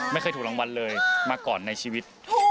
ไม่เคยถูกรางวัลเลยมาก่อนในชีวิต